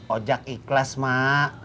ojak ikhlas mak